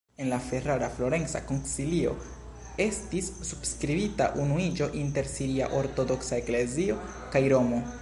En la ferrara-florenca koncilio estis subskribita unuiĝo inter siria ortodoksa eklezio kaj Romo.